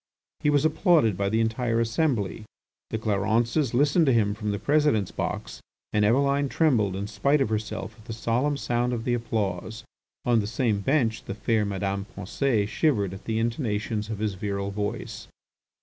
He was applauded by the entire assembly. The Clarences listened to him from the President's box and Eveline trembled in spite of herself at the solemn sound of the applause. On the same bench the fair Madame Pensée shivered at the intonations of his virile voice.